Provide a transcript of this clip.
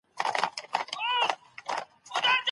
سیاست پوهنه د ژوند یو مهم ضرورت دی.